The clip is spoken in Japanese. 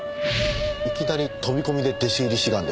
いきなり飛び込みで弟子入り志願ですか。